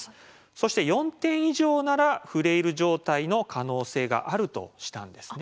そして４点以上ならフレイル状態の可能性があるとしたんですね。